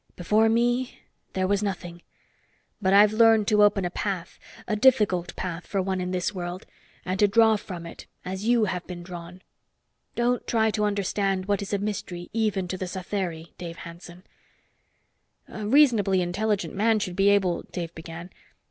Before me, there was nothing. But I've learned to open a path a difficult path for one in this world and to draw from it, as you have been drawn. Don't try to understand what is a mystery even to the Satheri, Dave Hanson." "A reasonably intelligent man should be able " Dave began.